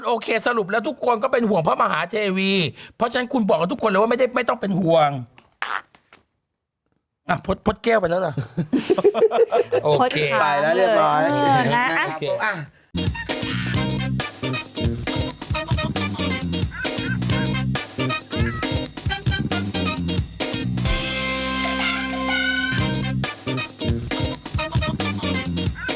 โอเคสรุปแล้วทุกคนก็เป็นห่วงพระมหาเทวีเพราะฉะนั้นคุณบอกกับทุกคนเลยว่าไม่ได้ไม่ต้องเป็นห่วงอ่ะพดพดแก้วไปแล้วล่ะโอเคไปแล้วเรียบร้อยโอเคอ่ะ